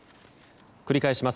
繰り返します。